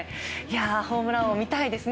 ホームラン王見たいですね